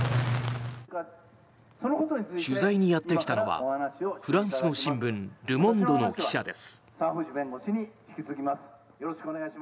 取材にやってきたのはフランスの新聞、ルモンドの記者です。